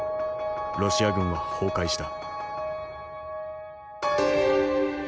ロシア軍は崩壊した。